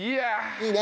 いいね？